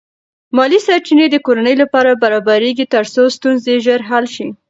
مالی سرچینې د کورنۍ لپاره برابرېږي ترڅو ستونزې ژر حل شي.